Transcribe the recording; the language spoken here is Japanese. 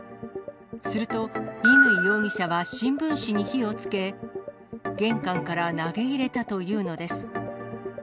すると、乾容疑者は新聞紙に火をつけ、玄関から投げ入れたというのです。